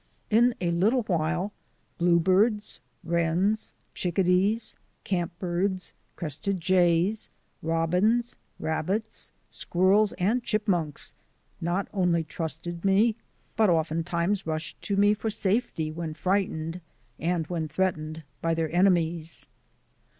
In a little while blue birds, wrens, chickadees, camp birds, crested jays, robins, rabbits, squirrels, and chipmunks not only trusted me but ofttimes rushed to me for safety when frightened and when threatened by their enemies.